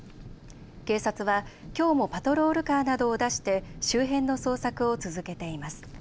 警察はきょうもパトロールカーなどを出して周辺の捜索を続けています。